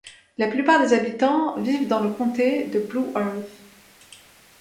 La plupart des habitants vivent dans le comté de Blue Earth.